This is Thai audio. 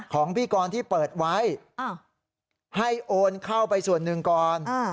ของพี่กรที่เปิดไว้ให้โอนเข้าไปส่วนหนึ่งก่อน